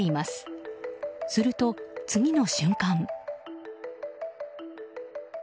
すると、次の瞬間。